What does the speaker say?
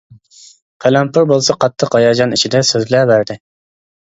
قەلەمپۇر بولسا، قاتتىق ھاياجان ئىچىدە سۆزلەۋەردى.